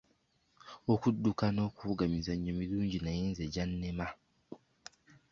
Okudduka n'okuwuga mizannyo mirungi naye nze gyannema.